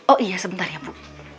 oh iya sebentar ya bu